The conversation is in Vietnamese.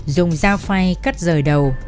dùng dao phay cắt rời đầu